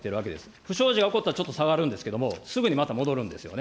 不祥事が起こったら、ちょっと下がるんですけれども、すぐにまた戻るんですよね。